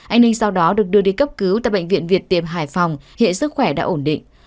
anh ninh sau đó được đưa đi cấp cứu tại bệnh viện việt hải phòng hiện sức khỏe đã ổn định